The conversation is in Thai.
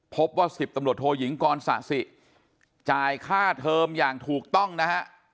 พบว่า๑๐ตำรวจโทยิงกรสะสิจ่ายค่าเทอมอย่างถูกต้องนะฮะ